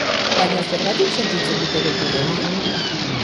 Baina zergatik sentitzen dute beldur hori?